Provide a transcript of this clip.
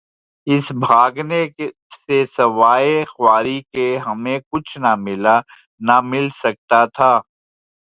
اس بھاگنے سے سوائے خواری کے ہمیں کچھ نہ ملا... نہ مل سکتاتھا۔